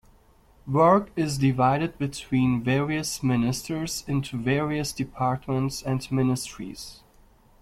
Work is divided between various ministers into various departments and ministries.